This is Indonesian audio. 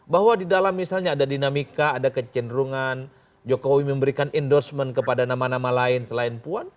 bahwa di dalam misalnya ada dinamika ada kecenderungan jokowi memberikan endorsement kepada nama nama lain selain puan